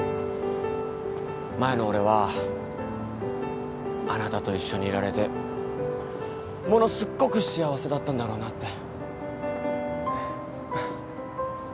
前の俺はあなたと一緒にいられてものすっごく幸せだったんだろうなって。